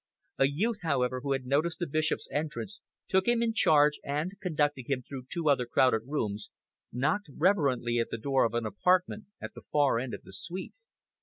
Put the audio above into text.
A youth, however, who had noticed the Bishop's entrance, took him in charge, and, conducting him through two other crowded rooms, knocked reverently at the door of an apartment at the far end of the suite.